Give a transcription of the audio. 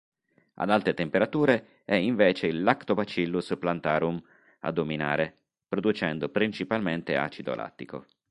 Ad alte temperature è invece il "Lactobacillus plantarum" a dominare, producendo principalmente acido lattico.